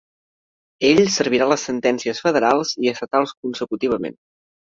Ell servirà les sentències federals i estatals consecutivament.